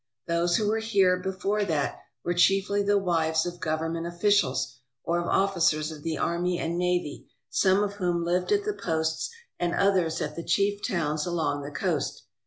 Those who were here before that were chiefly the wives of govern ment officials or of officers of the army and navy, some of whom lived at the posts and others at the chief towns along the coast.